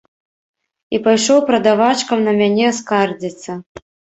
І пайшоў прадавачкам на мяне скардзіцца.